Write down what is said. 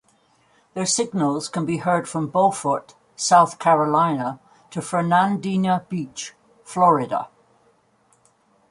Their signals can be heard from Beaufort, South Carolina to Fernandina Beach, Florida.